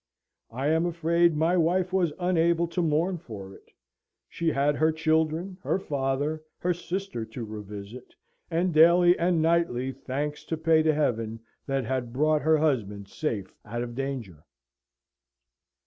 I am afraid my wife was unable to mourn for it. She had her children, her father, her sister to revisit, and daily and nightly thanks to pay to Heaven that had brought her husband safe out of danger.